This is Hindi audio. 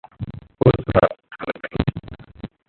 उस रात ठंड नहीं थी।